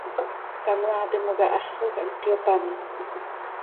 Canoaa timoca haxoj hant cöyopám.